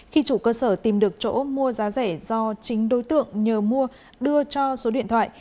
khi chủ cơ sở tìm được chỗ mua giá rẻ do chính đối tượng nhờ mua đưa cho số điện thoại